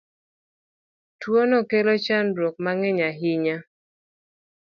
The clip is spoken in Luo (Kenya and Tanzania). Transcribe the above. Tuono kelo chandruoge ma ng'eny ahinya.